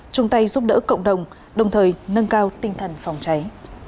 chung tay giúp đỡ cộng đồng đồng thời nâng cao tinh thần phòng cháy